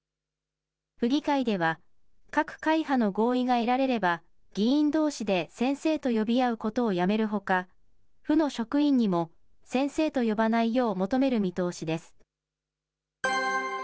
府議会では、各会派の合意が得られれば、議員どうしで先生と呼び合うことをやめるほか、府の職員にも先生と呼ばないよう求める見通しです。